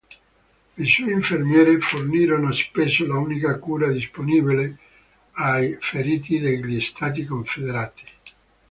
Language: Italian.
Le sue infermiere fornirono spesso l'unica cura disponibile ai feriti degli Stati Confederati.